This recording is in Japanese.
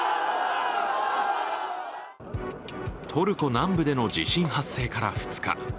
トルコ南部での地震発生から２日。